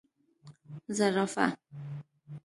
🦒 زرافه